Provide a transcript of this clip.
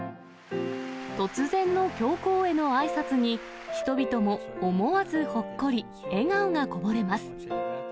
突然の教皇へのあいさつに、人々も思わずほっこり、笑顔がこぼれます。